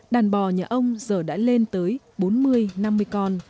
đàn bò nhà ông giờ đã lên tới bốn mươi năm mươi con